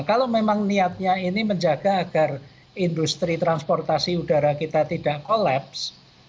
kalau memang niatnya ini menjaga agar industri transportasi udara kita tidak collapse